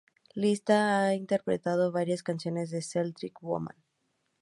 Lisa ha interpretado varias canciones en Celtic Woman.